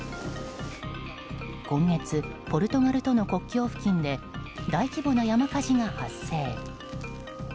今月、ポルトガルとの国境付近で大規模な山火事が発生。